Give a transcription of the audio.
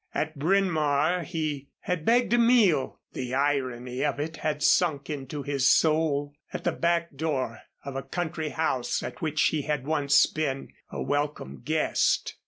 At Bryn Mawr he had begged a meal the irony of it had sunk into his soul at the back door of a country house at which he had once been a welcome guest.